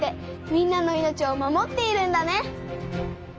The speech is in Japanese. みんなの命を守っているんだね。